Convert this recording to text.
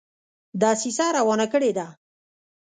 دسیسه روانه کړي ده.